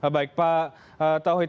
baik pak tauhid